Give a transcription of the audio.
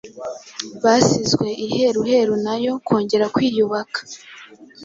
basizwe iheruheru na yo kongera kwiyubaka.